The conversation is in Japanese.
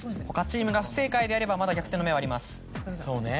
他チームが不正解であればまだ逆転の目はあります。